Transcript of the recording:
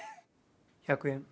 １００円。